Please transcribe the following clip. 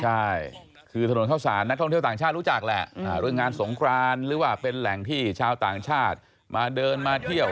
ใช่คือถนนเข้าสารนักท่องเที่ยวต่างชาติรู้จักแหละเรื่องงานสงครานหรือว่าเป็นแหล่งที่ชาวต่างชาติมาเดินมาเที่ยว